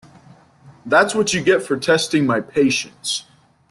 That’s what you get for testing my patience.